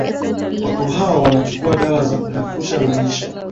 watu hao wanachukua dawa za kurefusha maisha